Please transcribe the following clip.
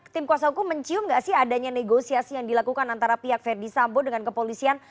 tim kuasa hukum mencium gak sih adanya negosiasi yang dilakukan antara pihak verdi sambo dengan kepolisian